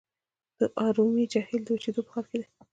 د ارومیې جهیل د وچیدو په حال کې دی.